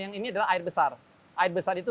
yang ini adalah air besar air besar itu